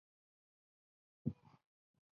这两天都没碰到行李